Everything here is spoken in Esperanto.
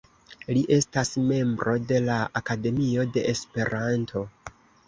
Li estas membro de la Akademio de Esperanto.